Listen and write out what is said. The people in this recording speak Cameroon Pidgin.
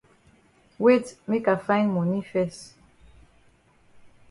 Wait make I find moni fes.